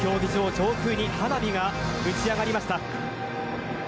上空に花火が打ち上がりました。